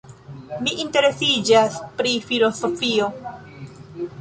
Mi interesiĝas pri filozofio.